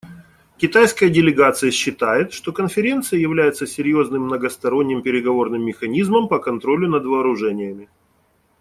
Китайская делегация считает, что Конференция является серьезным многосторонним переговорным механизмом по контролю над вооружениями.